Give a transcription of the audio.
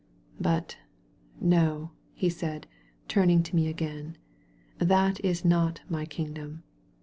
*'But» no," he said, turning to me again, ''that is not my kingdom.